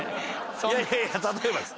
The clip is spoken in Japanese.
いやいやいや例えばです。